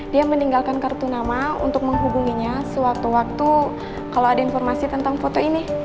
dia meninggalkan kartu nama untuk menghubunginya sewaktu waktu kalau ada informasi tentang foto ini